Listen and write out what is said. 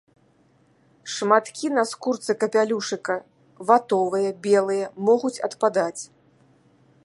Шматкі на скурцы капялюшыка ватовыя, белыя, могуць адпадаць.